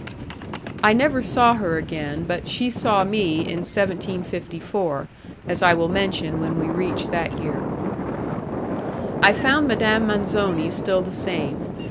I never saw her again, but she saw me in 1754, as I will mention when we reach that year. I found Madame Manzoni still the same.